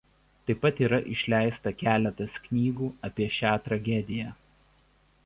Taip pat yra išleista keletas knygų apie šią tragediją.